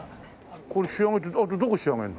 これ仕上げってどこ仕上げるの？